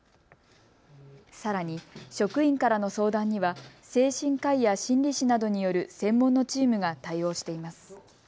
さらに職員からの相談には精神科医や心理士などによる専門のチームが対応しています。